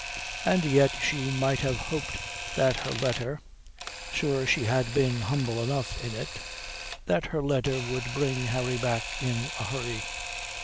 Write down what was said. And yet she might have hoped that her letter sure, she had been humble enough in it that her letter would bring Harry back in a hurry.